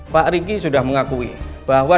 pak riki sudah mengakui bahwa